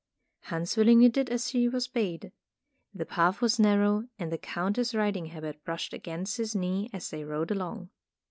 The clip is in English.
Hans willingly did as he was bade. The path was narrow, and the Countess' riding habit brushed against his knee as they rode along.